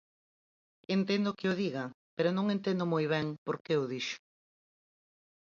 Entendo que o diga, pero non entendo moi ben por que o dixo.